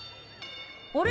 あれ？